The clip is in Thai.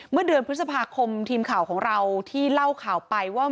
เมื่อเดือนพฤษภาคมทีมข่าวของเราที่เล่าข่าวไปว่า